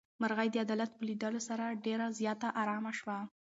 مرغۍ د عدالت په لیدلو سره ډېره زیاته ارامه شوه.